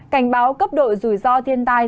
cảnh báo cấp độ dùi do tiên tai